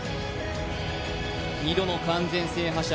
２度の完全制覇者